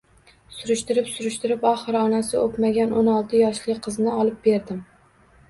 Surishtirib-surishtirib oxiri onasi o`pmagan, o`n olti yoshli qizni olib berdim…